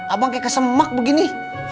abang kayak kesemak begini